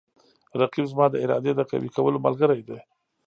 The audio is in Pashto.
رقیب زما د ارادې د قوي کولو ملګری دی